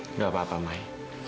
udah apa apa mai